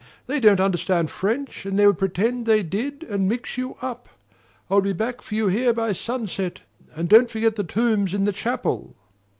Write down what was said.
They don't understand French, and they would pretend they did and mix you up. I'll be back for you here by sunset and don't forget the tombs in the chapel."